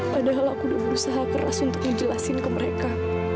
padahal aku udah berusaha keras untuk ngejelasin ke mereka